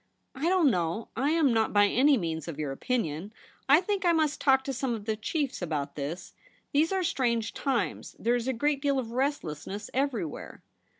' I don't know. I am not by any means of your opinion. I think I must talk to some of the chiefs about this. These are strange times. There is a great deal of restlessness everywhere.'